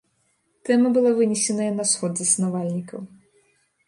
Тэма была вынесеная на сход заснавальнікаў.